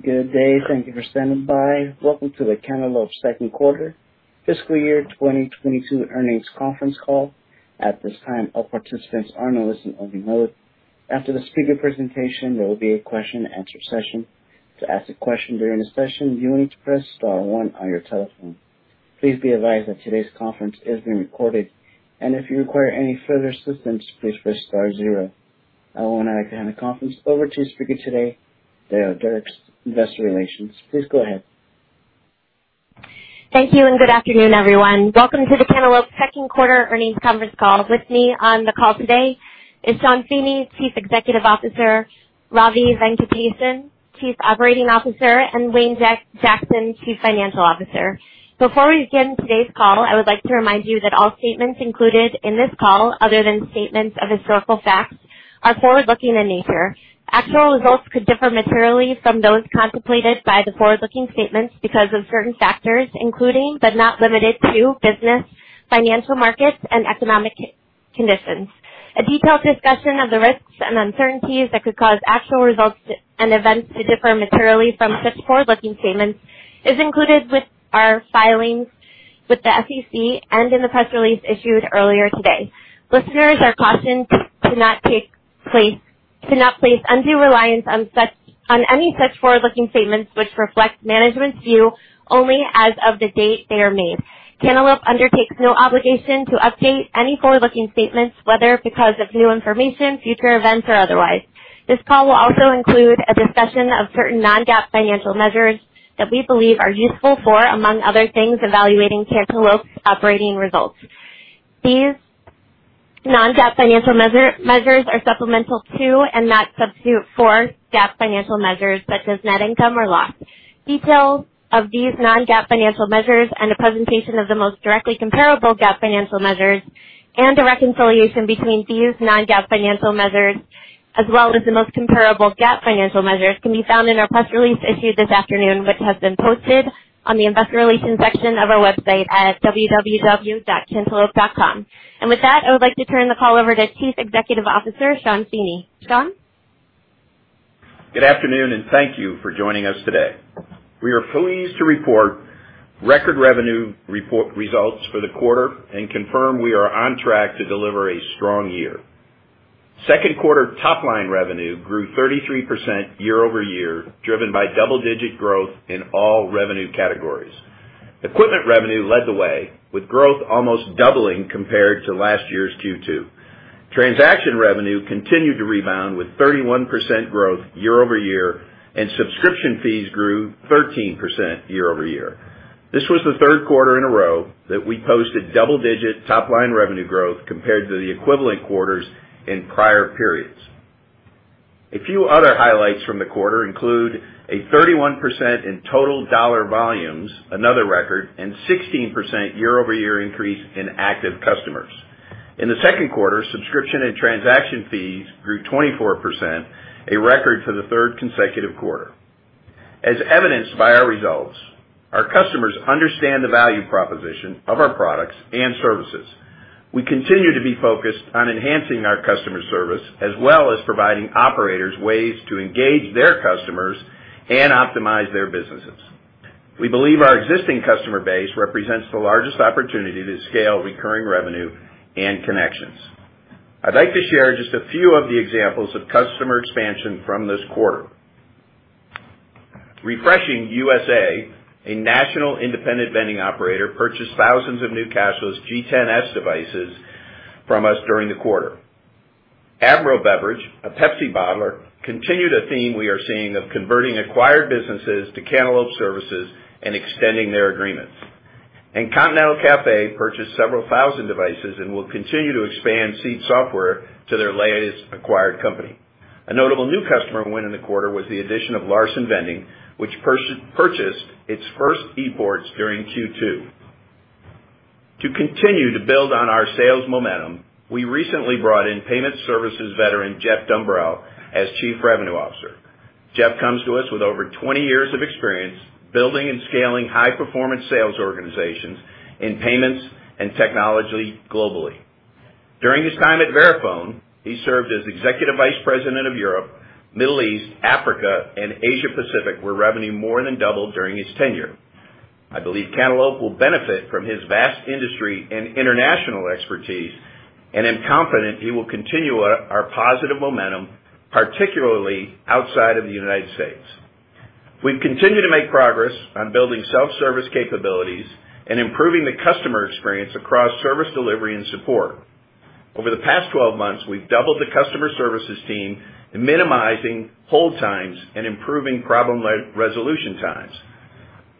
Good day. Thank you for standing by. Welcome to the Cantaloupe Q2 fiscal year 2022 earnings conference call. At this time, all participants are in a listen-only mode. After the speaker presentation, there will be a question and answer session. To ask a question during the session, you will need to press star one on your telephone. Please be advised that today's conference is being recorded and if you require any further assistance, please press star zero. I want to hand the conference over to speaker today, Cantaloupe Investor Relations. Please go ahead. Thank you and good afternoon, everyone. Welcome to the Cantaloupe Q2 earnings conference call. With me on the call today is Sean Feeney, Chief Executive Officer, Ravi Venkatesan, Chief Operating Officer, and Wayne Jackson, Chief Financial Officer. Before we begin today's call, I would like to remind you that all statements included in this call, other than statements of historical facts, are forward-looking in nature. Actual results could differ materially from those contemplated by the forward-looking statements because of certain factors, including, but not limited to, business, financial, markets, and economic conditions. A detailed discussion of the risks and uncertainties that could cause actual results and events to differ materially from such forward-looking statements is included with our filings with the SEC and in the press release issued earlier today. Listeners are cautioned to not place undue reliance on any such forward-looking statements which reflect management's view only as of the date they are made. Cantaloupe undertakes no obligation to update any forward-looking statements, whether because of new information, future events, or otherwise. This call will also include a discussion of certain non-GAAP financial measures that we believe are useful for, among other things, evaluating Cantaloupe's operating results. These non-GAAP financial measures are supplemental to and not substitute for GAAP financial measures such as net income or loss. Details of these non-GAAP financial measures and a presentation of the most directly comparable GAAP financial measures and a reconciliation between these non-GAAP financial measures, as well as the most comparable GAAP financial measures, can be found in our press release issued this afternoon, which has been posted on the investor relations section of our website at www.cantaloupe.com. With that, I would like to turn the call over to Chief Executive Officer, Sean Feeney. Sean? Good afternoon and thank you for joining us today. We are pleased to reported record revenue results for the quarter and confirm we are on track to deliver a strong year. Q2 top line revenue grew 33% year-over-year, driven by double-digit growth in all revenue categories. Equipment revenue led the way, with growth almost doubling compared to last year's Q2. Transaction revenue continued to rebound with 31% growth year-over-year, and subscription fees grew 13% year-over-year. This was the Q3 in a row that we posted double-digit top line revenue growth compared to the equivalent quarters in prior periods. A few other highlights from the quarter include a 31% increase in total dollar volumes, another record, and 16% year-over-year increase in active customers. In the Q2, subscription and transaction fees grew 24%, a record for the third consecutive quarter. As evidenced by our results, our customers understand the value proposition of our products and services. We continue to be focused on enhancing our customer service as well as providing operators ways to engage their customers and optimize their businesses. We believe our existing customer base represents the largest opportunity to scale recurring revenue and connections. I'd like to share just a few of the examples of customer expansion from this quarter. Refreshing USA, a national independent vending operator, purchased thousands of new cashless G10-S devices from us during the quarter. Abro Beverage, a Pepsi bottler, continued a theme we are seeing of converting acquired businesses to Cantaloupe services and extending their agreements. Continental Canteen purchased several thousand devices and will continue to expand Seed software to their latest acquired company. A notable new customer win in the quarter was the addition of Larsen Vending, which purchased its first ePorts during Q2. To continue to build on our sales momentum, we recently brought in payment services veteran, Jeff Dumbrell, as Chief Revenue Officer. Jeff comes to us with over 20 years of experience building and scaling high-performance sales organizations in payments and technology globally. During his time at Verifone, he served as Executive Vice President of Europe, Middle East, Africa, and Asia Pacific, where revenue more than doubled during his tenure. I believe Cantaloupe will benefit from his vast industry and international expertise, and I'm confident he will continue our positive momentum, particularly outside of the United States. We've continued to make progress on building self-service capabilities and improving the customer experience across service delivery and support. Over the past 12 months, we've doubled the customer services team, minimizing hold times and improving problem re-resolution times.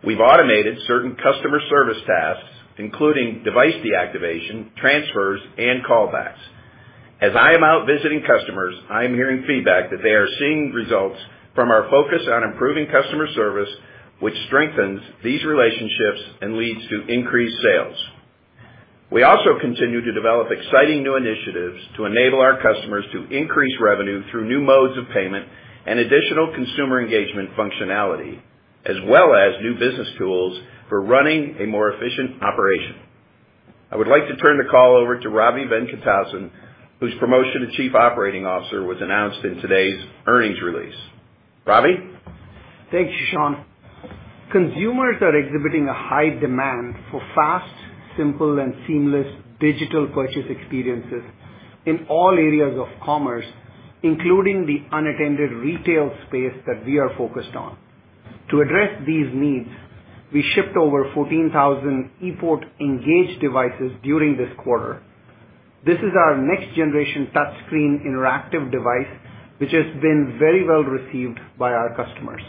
We've automated certain customer service tasks, including device deactivation, transfers, and callbacks. As I am out visiting customers, I am hearing feedback that they are seeing results from our focus on improving customer service, which strengthens these relationships and leads to increased sales. We also continue to develop exciting new initiatives to enable our customers to increase revenue through new modes of payment and additional consumer engagement functionality, as well as new business tools for running a more efficient operation. I would like to turn the call over to Ravi Venkatesan, whose promotion to Chief Operating Officer was announced in today's earnings release. Ravi? Thanks, Sean. Consumers are exhibiting a high demand for fast, simple, and seamless digital purchase experiences in all areas of commerce, including the unattended retail space that we are focused on. To address these needs, we shipped over 14,000 ePort Engage devices during this quarter. This is our next-generation touchscreen interactive device, which has been very well-received by our customers.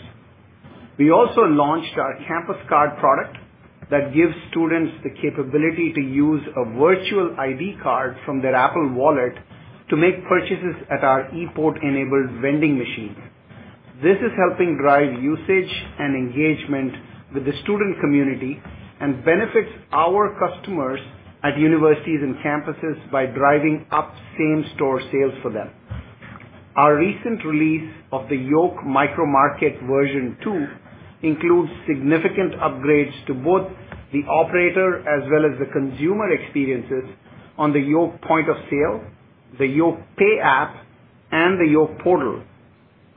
We also launched our Campus Card product that gives students the capability to use a virtual ID card from their Apple Wallet to make purchases at our ePort-enabled vending machine. This is helping drive usage and engagement with the student community and benefits our customers at universities and campuses by driving up same-store sales for them. Our recent release of the Yoke micromarket version two includes significant upgrades to both the operator as well as the consumer experiences on the Yoke point-of-sale, the Yoke Pay app, and the Yoke portal.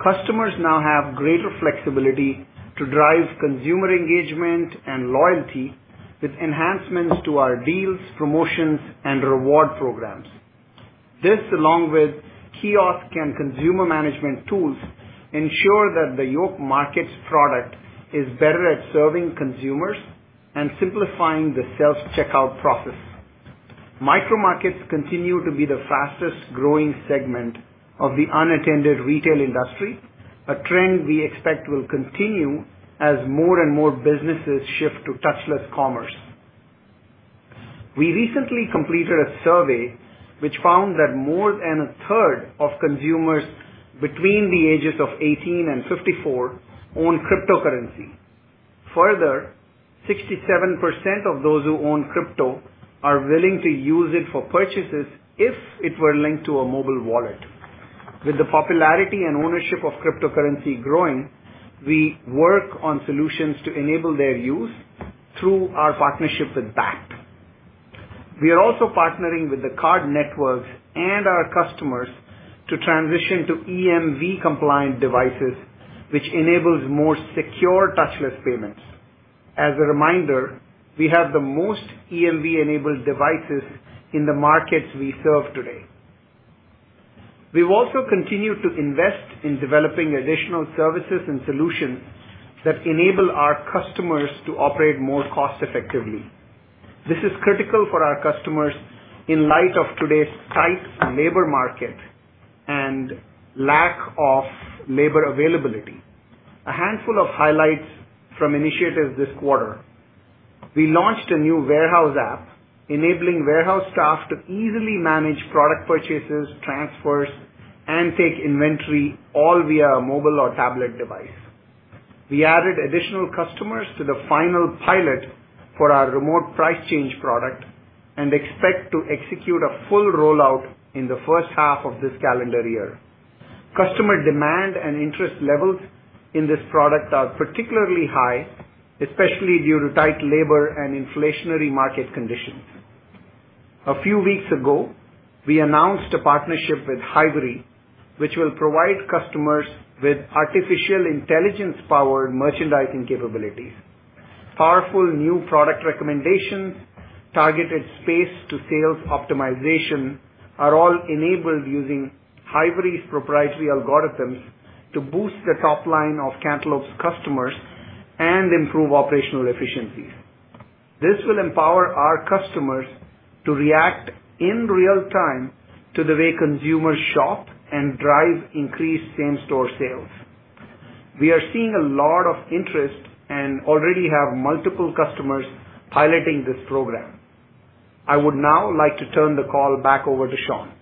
Customers now have greater flexibility to drive consumer engagement and loyalty with enhancements to our deals, promotions, and reward programs. This, along with kiosk and consumer management tools, ensure that the Yoke Markets product is better at serving consumers and simplifying the self-checkout process. Micromarkets continue to be the fastest-growing segment of the unattended retail industry, a trend we expect will continue as more and more businesses shift to touchless commerce. We recently completed a survey which found that more than a third of consumers between the ages of 18 and 54 own cryptocurrency. Further, 67% of those who own crypto are willing to use it for purchases if it were linked to a mobile wallet. With the popularity and ownership of cryptocurrency growing, we work on solutions to enable their use through our partnership with Bakkt. We are also partnering with the card networks and our customers to transition to EMV-compliant devices, which enables more secure touchless payments. As a reminder, we have the most EMV-enabled devices in the markets we serve today. We've also continued to invest in developing additional services and solutions that enable our customers to operate more cost-effectively. This is critical for our customers in light of today's tight labor market and lack of labor availability. A handful of highlights from initiatives this quarter. We launched a new warehouse app, enabling warehouse staff to easily manage product purchases, transfers, and take inventory all via a mobile or tablet device. We added additional customers to the final pilot for our Remote Price Change product and expect to execute a full rollout in the first half of this calendar year. Customer demand and interest levels in this product are particularly high, especially due to tight labor and inflationary market conditions. A few weeks ago, we announced a partnership with Hy-Vee, which will provide customers with artificial intelligence-powered merchandising capabilities. Powerful new product recommendations, targeted space-to-sales optimization are all enabled using Hy-Vee's proprietary algorithms to boost the top line of Cantaloupe's customers and improve operational efficiencies. This will empower our customers to react in real time to the way consumers shop and drive increased same-store sales. We are seeing a lot of interest and already have multiple customers piloting this program. I would now like to turn the call back over to Sean.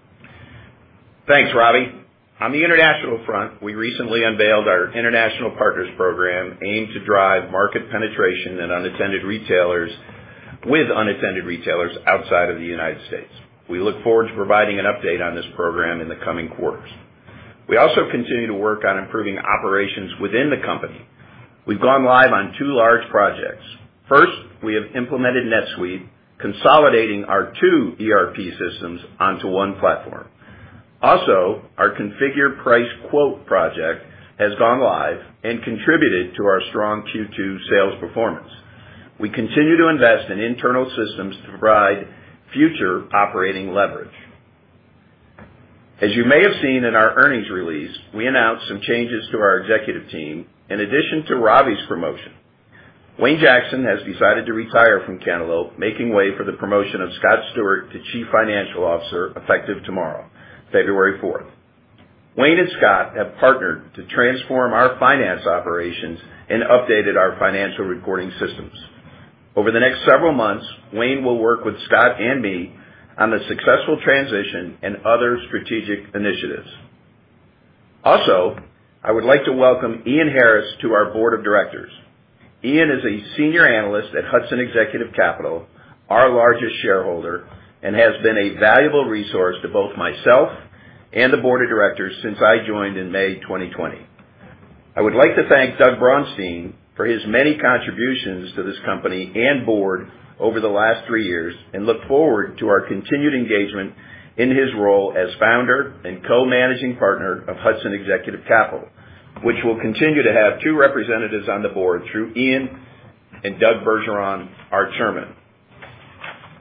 Thanks, Ravi. On the international front, we recently unveiled our international partners program aimed to drive market penetration with unattended retailers outside of the United States. We look forward to providing an update on this program in the coming quarters. We also continue to work on improving operations within the company. We've gone live on two large projects. First, we have implemented NetSuite, consolidating our two ERP systems onto one platform. Also, our configure price quote project has gone live and contributed to our strong Q2 sales performance. We continue to invest in internal systems to provide future operating leverage. As you may have seen in our earnings release, we announced some changes to our executive team in addition to Ravi's promotion. Wayne Jackson has decided to retire from Cantaloupe, making way for the promotion of Scott Stewart to Chief Financial Officer, effective tomorrow, February fourth. Wayne and Scott have partnered to transform our finance operations and updated our financial reporting systems. Over the next several months, Wayne will work with Scott and me on the successful transition and other strategic initiatives. Also, I would like to welcome Ian Harris to our Board of Directors. Ian is a senior analyst at Hudson Executive Capital, our largest shareholder, and has been a valuable resource to both myself and the Board of Directors since I joined in May 2020. I would like to thank Douglas L. Braunstein for his many contributions to this company and board over the last three years, and look forward to our continued engagement in his role as founder and co-managing partner of Hudson Executive Capital, which will continue to have two representatives on the board through Ian and Douglas G. Bergeron, our Chairman.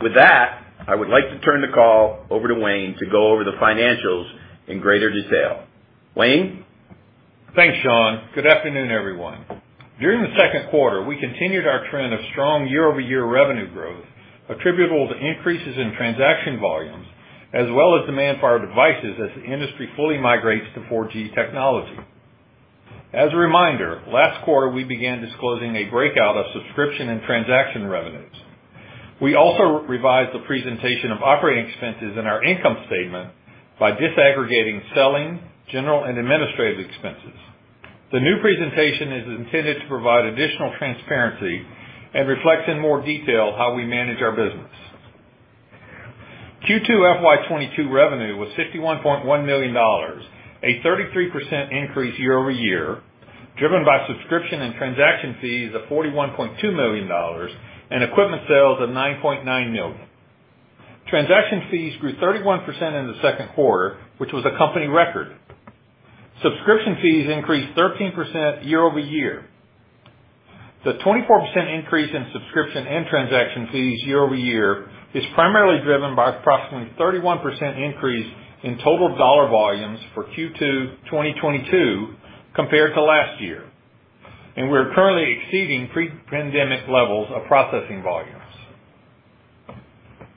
With that, I would like to turn the call over to Wayne to go over the financials in greater detail. Wayne? Thanks, Sean. Good afternoon, everyone. During the Q2, we continued our trend of strong year-over-year revenue growth attributable to increases in transaction volumes, as well as demand for our devices as the industry fully migrates to 4G technology. As a reminder, last quarter, we began disclosing a breakout of subscription and transaction revenues. We also revised the presentation of operating expenses in our income statement by disaggregating selling, general and administrative expenses. The new presentation is intended to provide additional transparency and reflects in more detail how we manage our business. Q2 FY 2022 revenue was $61.1 million, a 33% increase year-over-year, driven by subscription and transaction fees of $41.2 million and equipment sales of $9.9 million. Transaction fees grew 31% in the Q2, which was a company record. Subscription fees increased 13% year over year. The 24% increase in subscription and transaction fees year over year is primarily driven by approximately 31% increase in total dollar volumes for Q2 2022 compared to last year, and we're currently exceeding pre-pandemic levels of processing volumes.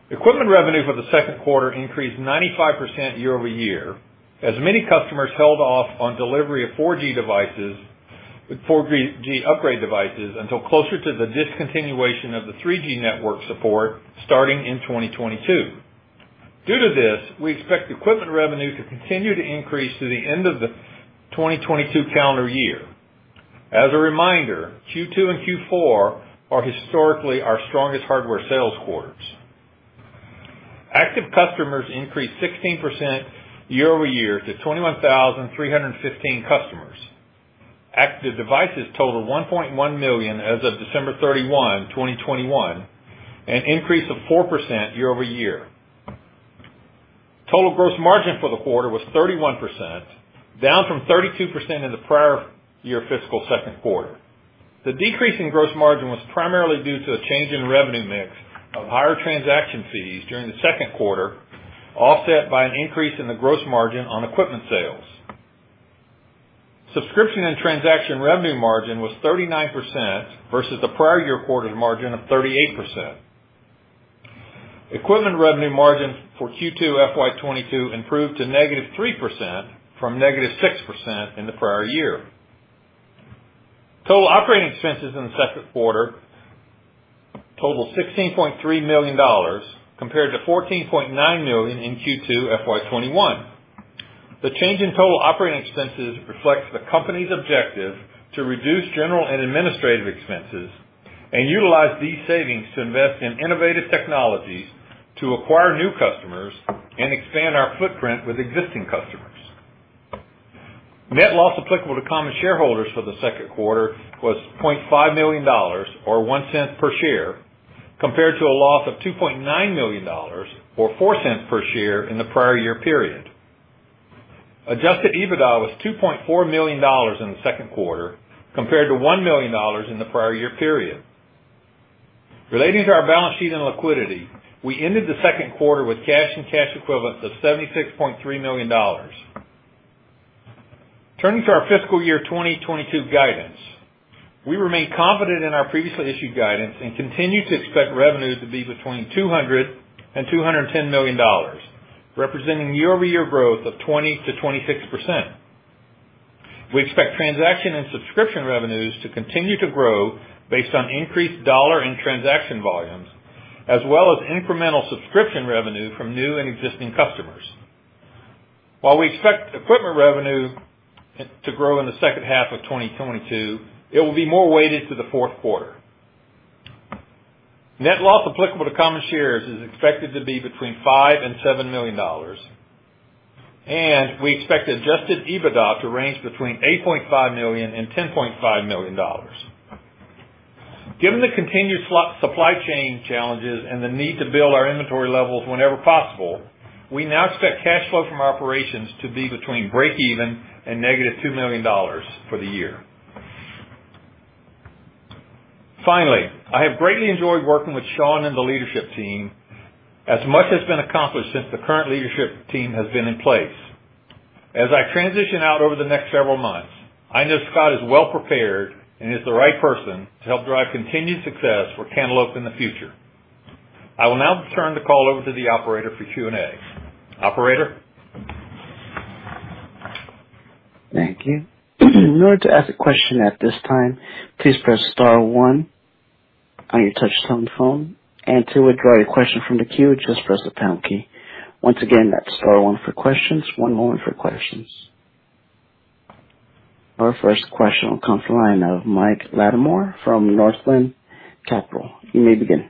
Equipment revenue for the Q2 increased 95% year over year, as many customers held off on delivery of 4G devices, with 4G upgrade devices until closer to the discontinuation of the 3G network support starting in 2022. Due to this, we expect equipment revenue to continue to increase through the end of the 2022 calendar year. As a reminder, Q2 and Q4 are historically our strongest hardware sales quarters. Active customers increased 16% year over year to 21,315 customers. Active devices total 1.1 million as of December 31, 2021, an increase of 4% year-over-year. Total gross margin for the quarter was 31%, down from 32% in the prior year fiscal Q2. The decrease in gross margin was primarily due to a change in revenue mix of higher transaction fees during the Q2, offset by an increase in the gross margin on equipment sales. Subscription and transaction revenue margin was 39% versus the prior year quarter margin of 38%. Equipment revenue margin for Q2 FY 2022 improved to -3% from -6% in the prior year. Total operating expenses in the Q2 totaled $16.3 million, compared to $14.9 million in Q2 FY 2021. The change in total operating expenses reflects the company's objective to reduce general and administrative expenses and utilize these savings to invest in innovative technologies to acquire new customers and expand our footprint with existing customers. Net loss applicable to common shareholders for the Q2 was $0.5 million or $0.01 per share, compared to a loss of $2.9 million or $0.04 per share in the prior year period. Adjusted EBITDA was $2.4 million in the Q2, compared to $1 million in the prior year period. Relating to our balance sheet and liquidity, we ended the Q2 with cash and cash equivalents of $76.3 million. Turning to our fiscal year 2022 guidance, we remain confident in our previously issued guidance and continue to expect revenue to be between $200 million-$210 million, representing year-over-year growth of 20%-26%. We expect transaction and subscription revenues to continue to grow based on increased dollar and transaction volumes, as well as incremental subscription revenue from new and existing customers. While we expect equipment revenue to grow in the second half of 2022, it will be more weighted to the Q4. Net loss applicable to common shares is expected to be between $5 million-$7 million, and we expect adjusted EBITDA to range between $8.5 million-$10.5 million. Given the continued supply chain challenges and the need to build our inventory levels whenever possible, we now expect cash flow from operations to be between breakeven and -$2 million for the year. Finally, I have greatly enjoyed working with Sean and the leadership team, as much has been accomplished since the current leadership team has been in place. As I transition out over the next several months, I know Scott is well prepared and is the right person to help drive continued success for Cantaloupe in the future. I will now turn the call over to the operator for Q&A. Operator. Thank you. In order to ask a question at this time, please press star one on your touchtone phone. To withdraw your question from the queue, just press the pound key. Once again, that's star one for questions, one more for questions. Our first question will come from the line of Mike Latimore from Northland Capital. You may begin.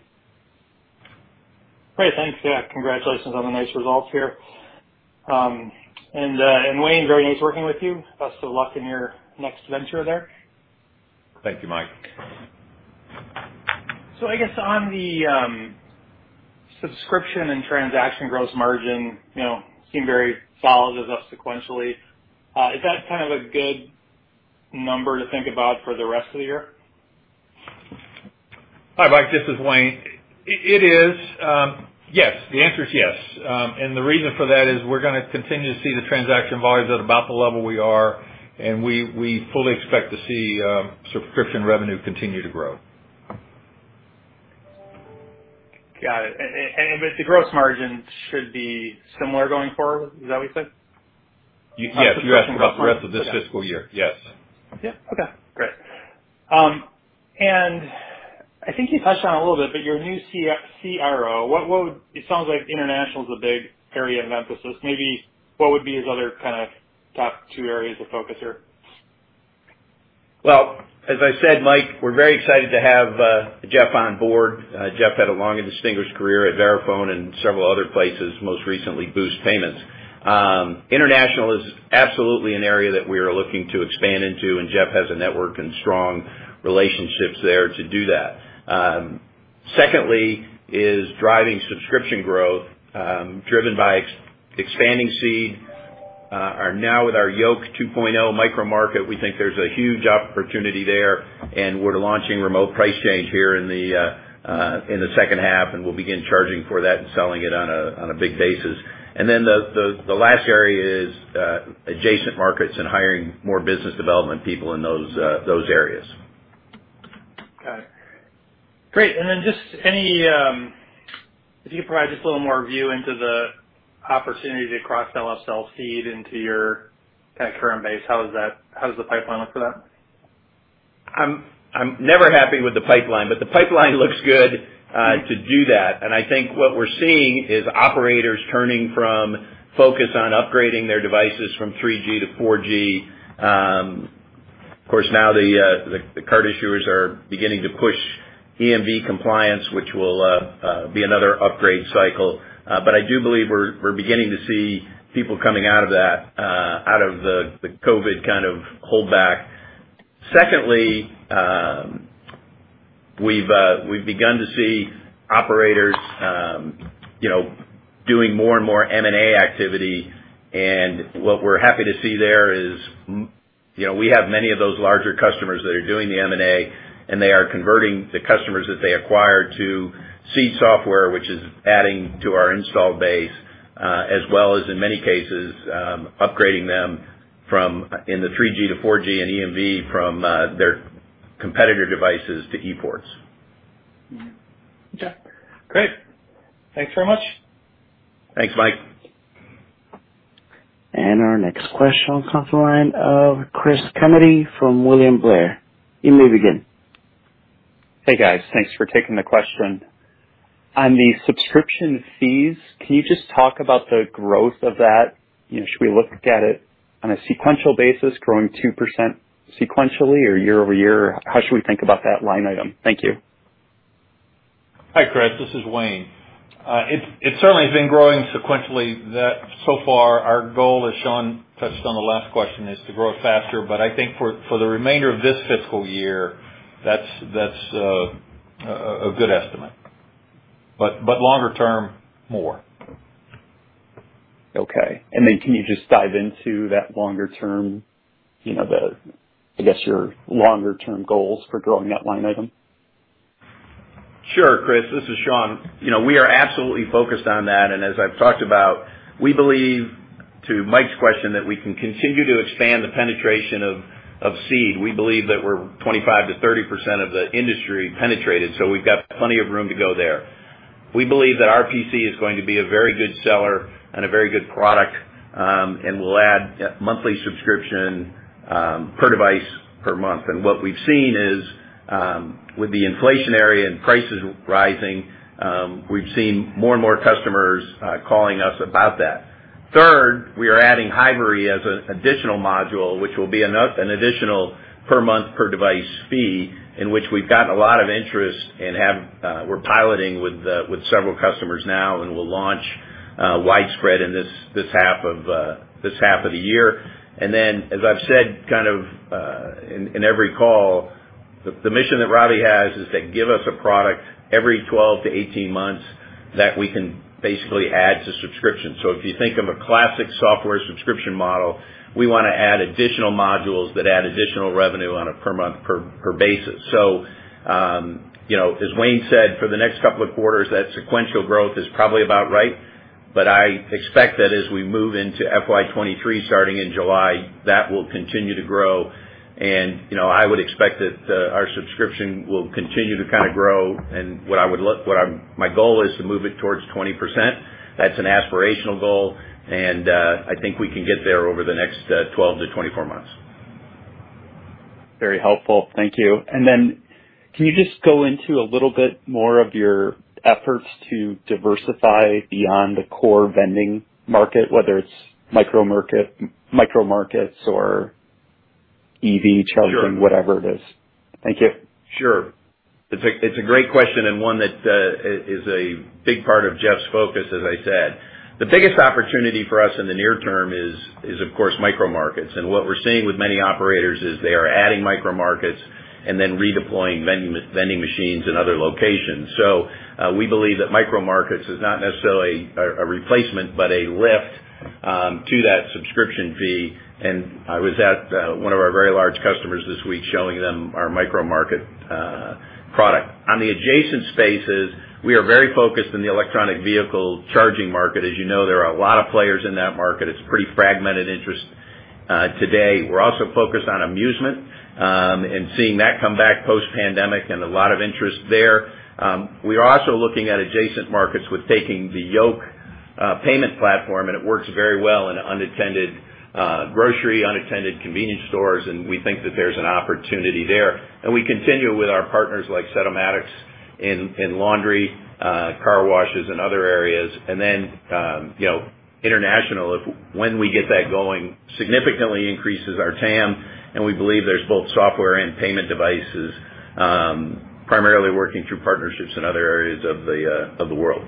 Great. Thanks. Yeah, congratulations on the nice results here. Wayne, very nice working with you. Best of luck in your next venture there. Thank you, Mike. I guess on the subscription and transaction gross margin, you know, seem very solid sequentially. Is that kind of a good number to think about for the rest of the year? Hi, Mike, this is Wayne. It is. Yes, the answer is yes. The reason for that is we're gonna continue to see the transaction volumes at about the level we are, and we fully expect to see subscription revenue continue to grow. Got it. The gross margin should be similar going forward. Is that what you said? Yes. You asked about the rest of this fiscal year. Yes. Yeah, okay. Great. I think you touched on it a little bit, but your new CRO. It sounds like international is a big area of emphasis. Maybe what would be his other kind of top two areas of focus here? Well, as I said, Mike, we're very excited to have Jeff on board. Jeff had a long and distinguished career at Verifone and several other places, most recently Boost Payment Solutions. International is absolutely an area that we are looking to expand into, and Jeff has a network and strong relationships there to do that. Secondly is driving subscription growth, driven by expanding Seed. We are now with our Yoke 2.0 micro market. We think there's a huge opportunity there, and we're launching Remote Price Change here in the second half, and we'll begin charging for that and selling it on a big basis. The last area is adjacent markets and hiring more business development people in those areas. Got it. Great. Just any, if you could provide just a little more view into the opportunities across upselling Seed into your kind of current base, how does the pipeline look for that? I'm never happy with the pipeline, but the pipeline looks good to do that. I think what we're seeing is operators turning from focus on upgrading their devices from 3G to 4G. Of course, now the card issuers are beginning to push EMV compliance, which will be another upgrade cycle. I do believe we're beginning to see people coming out of that out of the COVID kind of holdback. Secondly, we've begun to see operators, you know, doing more and more M&A activity, and what we're happy to see there is, you know, we have many of those larger customers that are doing the M&A, and they are converting the customers that they acquired to Seed software, which is adding to our installed base, as well as in many cases, upgrading them from the 3G to 4G and EMV from their competitor devices to ePorts. Okay, great. Thanks very much. Thanks, Mike. Our next question comes from the line of Chris Kennedy from William Blair. You may begin. Hey, guys. Thanks for taking the question. On the subscription fees, can you just talk about the growth of that? You know, should we look at it on a sequential basis growing 2% sequentially or year-over-year? How should we think about that line item? Thank you. Hi, Chris. This is Wayne. It's certainly been growing sequentially that so far our goal, as Sean touched on the last question, is to grow faster. I think for the remainder of this fiscal year, that's a good estimate. Longer term, more. Okay. Can you just dive into that longer-term, you know, the, I guess, your longer-term goals for growing that line item? Sure, Chris. This is Sean. You know, we are absolutely focused on that, and as I've talked about, we believe, to Mike's question, that we can continue to expand the penetration of Seed. We believe that we're 25%-30% of the industry penetrated, so we've got plenty of room to go there. We believe that our RPC is going to be a very good seller and a very good product, and will add monthly subscription per device per month. What we've seen is, with the inflationary and prices rising, we've seen more and more customers calling us about that. Third, we are adding Hivery as an additional module, which will be an additional per month per device fee, in which we've gotten a lot of interest and we're piloting with several customers now and will launch widespread in this half of the year. Then, as I've said kind of in every call, the mission that Ravi has is to give us a product every 12-18 months that we can basically add to subscription. If you think of a classic software subscription model, we wanna add additional modules that add additional revenue on a per month per basis. You know, as Wayne said, for the next couple of quarters, that sequential growth is probably about right. I expect that as we move into FY 2023, starting in July, that will continue to grow. You know, I would expect that our subscription will continue to kind of grow. My goal is to move it towards 20%. That's an aspirational goal, and I think we can get there over the next 12-24 months. Very helpful. Thank you. Can you just go into a little bit more of your efforts to diversify beyond the core vending market, whether it's micro markets or EV charging, whatever it is. Thank you. Sure. It's a great question and one that is a big part of Jeff's focus, as I said. The biggest opportunity for us in the near term is of course micro markets. What we're seeing with many operators is they are adding micro markets and then redeploying vending machines in other locations. We believe that micro markets is not necessarily a replacement, but a lift to that subscription fee. I was at one of our very large customers this week showing them our micro market product. On the adjacent spaces, we are very focused in the electric vehicle charging market. As you know, there are a lot of players in that market. It's pretty fragmented. Interest today. We're also focused on amusement and seeing that come back post-pandemic and a lot of interest there. We are also looking at adjacent markets with taking the Yoke payment platform, and it works very well in unattended grocery, unattended convenience stores, and we think that there's an opportunity there. We continue with our partners like Setomatic Systems in laundry, car washes and other areas. You know, international, if when we get that going, significantly increases our TAM, and we believe there's both software and payment devices, primarily working through partnerships in other areas of the world.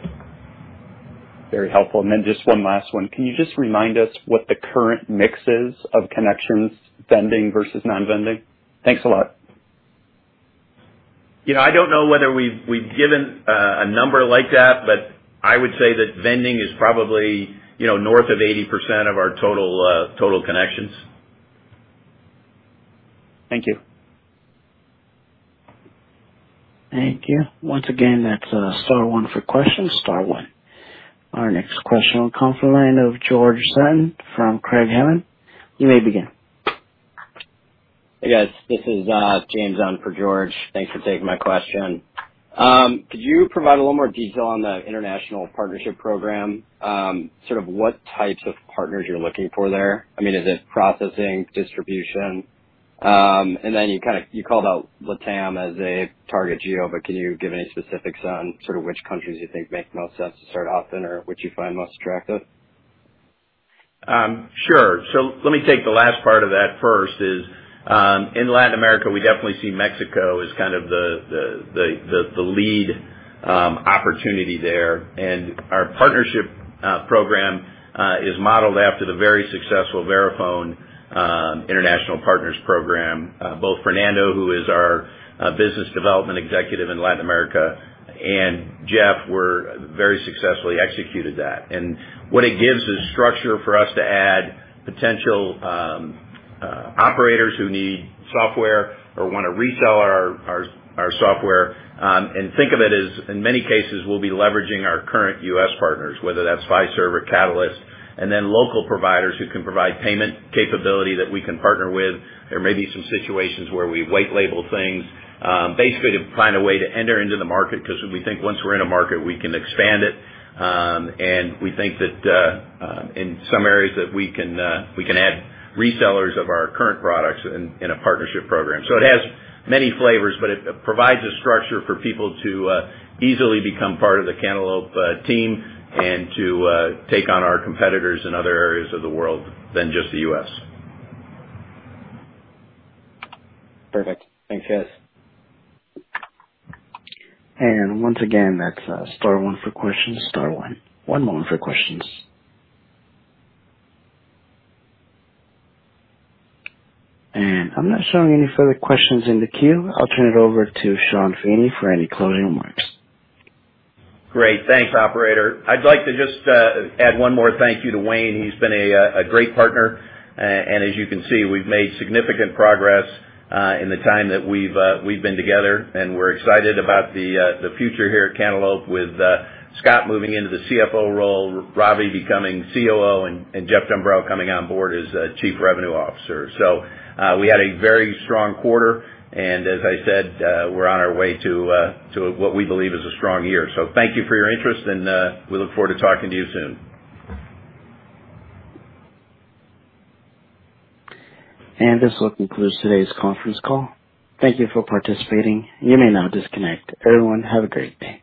Very helpful. Just one last one. Can you just remind us what the current mix is of connections vending versus non-vending? Thanks a lot. You know, I don't know whether we've given a number like that, but I would say that vending is probably, you know, north of 80% of our total connections. Thank you. Thank you. Once again, that's star one for questions, star one. Our next question will come from the line of George Sutton from Craig-Hallum. You may begin. Hey, guys. This is James on for George. Thanks for taking my question. Could you provide a little more detail on the international partnership program? Sort of what types of partners you're looking for there? I mean, is it processing, distribution? And then you kind of called out Latam as a target geo, but can you give any specifics on sort of which countries you think make most sense to start off in or which you find most attractive? Sure. Let me take the last part of that first is, in Latin America, we definitely see Mexico as kind of the lead opportunity there. Our partnership program is modeled after the very successful Verifone international partners program. Both Fernando, who is our business development executive in Latin America, and Jeff very successfully executed that. What it gives is structure for us to add potential operators who need software or wanna resell our software. Think of it as, in many cases, we'll be leveraging our current U.S. partners, whether that's Fiserv or Catalyst, and then local providers who can provide payment capability that we can partner with. There may be some situations where we white label things, basically to find a way to enter into the market, 'cause we think once we're in a market, we can expand it. We think that in some areas we can add resellers of our current products in a partnership program. It has many flavors, but it provides a structure for people to easily become part of the Cantaloupe team and to take on our competitors in other areas of the world than just the U.S. Perfect. Thanks, guys. Once again, that's star one for questions, star one. One moment for questions. I'm not showing any further questions in the queue. I'll turn it over to Sean Feeney for any closing remarks. Great. Thanks, operator. I'd like to just add one more thank you to Wayne. He's been a great partner. As you can see, we've made significant progress in the time that we've been together, and we're excited about the future here at Cantaloupe with Scott moving into the CFO role, Ravi becoming COO, and Jeff Dumbrell coming on board as Chief Revenue Officer. We had a very strong quarter, and as I said, we're on our way to what we believe is a strong year. Thank you for your interest, and we look forward to talking to you soon. This will conclude today's conference call. Thank you for participating. You may now disconnect. Everyone, have a great day.